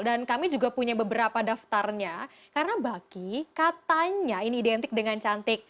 jadi kita punya beberapa daftarnya karena baki katanya ini identik dengan cantik